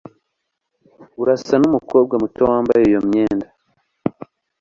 Urasa nkumukobwa muto wambaye iyo myenda.